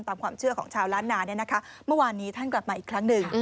ตามความเชื่อของชาวล้านนาเนี่ยนะคะเมื่อวานนี้ท่านกลับมาอีกครั้งหนึ่ง